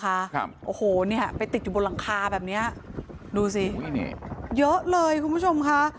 ครับโอ้โหเนี้ยไปติดอยู่บนหลังคาแบบเนี้ยดูสิอุ้ยนี่เยอะเลยคุณผู้ชมค่ะ